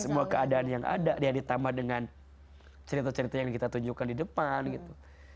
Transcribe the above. semua keadaan yang ada ya ditambah dengan cerita cerita yang kita tunjukkan di depan gitu